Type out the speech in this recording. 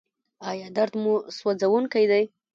ایا درد مو سوځونکی دی؟